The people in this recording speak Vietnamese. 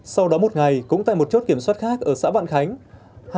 sau đó một ngày cũng tại một chốt kiểm soát khác ở xã vạn khánh